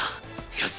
よし。